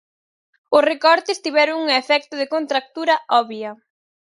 Os recortes tiveron un efecto de contractura obvia.